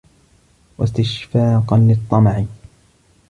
وَاسْتِشْفَافًا لِلطَّمَعِ